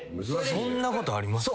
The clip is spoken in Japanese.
そんなことあります？